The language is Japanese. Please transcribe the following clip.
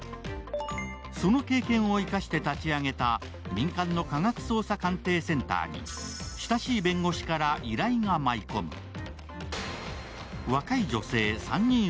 その経験を生かして立ち上げた民間の科学捜査鑑定センターに親しい弁護士から依頼が舞い込む。